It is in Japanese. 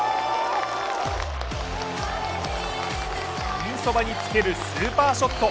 ピンそばにつけるスーパーショット。